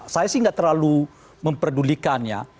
saya sih nggak terlalu memperdulikan ya